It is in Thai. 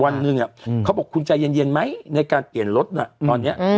วันหนึ่งเขาบอกคุณใจเย็นไหมในการเปลี่ยนรถน่ะตอนนี้